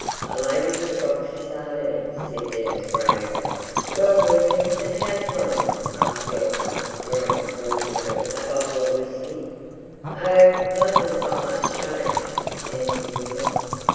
"A Lady with a Box of Sardines," said Dennis gravely. "Well, William, and how's London?" asked Bill Hunt, drawing the cork out of a bottle of whisky. "Oh, London's not much changed," answered William.